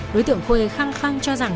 đối tượng khuê khăng khăng cho rằng